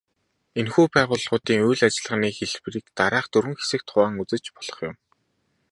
Энэхүү байгууллагуудын үйл ажиллагааны хэлбэрийг дараах дөрвөн хэсэгт хуваан үзэж болох юм.